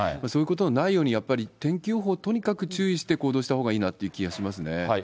そういうことのないように、やっぱり天気予報、とにかく注意して行動したほうがいいなという気がしますね。